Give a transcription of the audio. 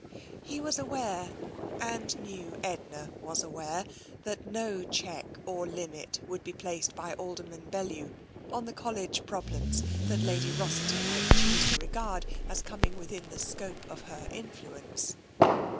He was aware, and knew that Edna was aware, that no check or limit would be placed by Alderman Bellew on the College problems that Lady Rossiter might choose to regard as coming within the scope of her in fluence.